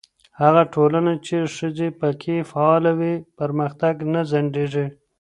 هغه ټولنه چې ښځې پکې فعاله وي، پرمختګ نه ځنډېږي.